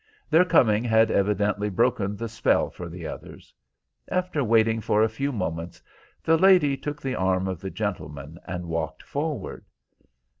Their coming had evidently broken the spell for the others. After waiting for a few moments, the lady took the arm of the gentleman and walked forward.